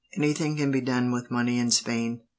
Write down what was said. Anything can be done with money in Spain.